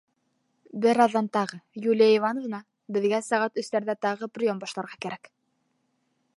Бер аҙҙан тағы: — Юлия Ивановна, беҙгә сәғәт өстәрҙә тағы прием башларға кәрәк.